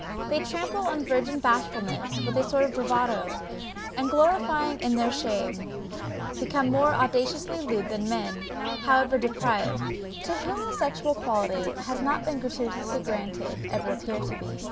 They trample on virgin bashfulness with a sort of bravado, and glorying in their shame, become more audaciously lewd than men, however depraved, to whom the sexual quality has not been gratuitously granted, ever appear to be.